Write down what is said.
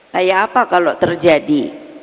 kayak apa kalau terjadi